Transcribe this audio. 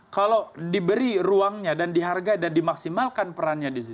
kalau diberi ruangnya dan dihargai dan dimaksimalkan perannya di situ